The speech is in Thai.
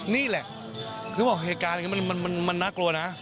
นี่แหละคือบอกเหตุการณ์นี้มันน่ากลัวนะ